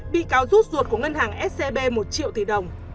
bị cáo rút ruột của ngân hàng scb một triệu tỷ đồng